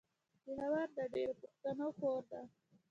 پېښور د ډېرو پښتنو کور ده.